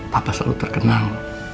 papa selalu terkenal